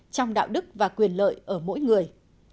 trong đạo đức và quyền lợi ở mỗi người